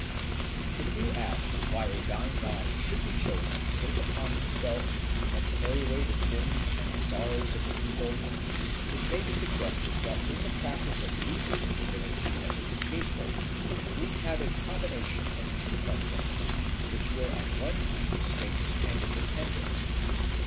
If we ask why a dying god should be chosen to take upon himself and carry away the sins and sorrows of the people, it may be suggested that in the practice of using the divinity as a scapegoat we have a combination of two customs which were at one time distinct and independent.